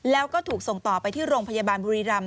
แล้วก็ถูกส่งต่อไปที่โรงพยาบาลบุรีรำ